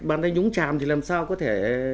bàn tay nhúng chàm thì làm sao có thể